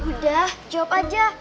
udah jawab aja